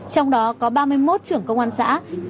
trong đó có ba mươi một trưởng công an xã